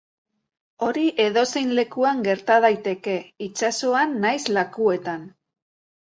Hori edozein lekuan gerta daiteke, itsasoan nahiz lakuetan.